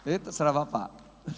itu serah bapak